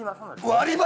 割り箸！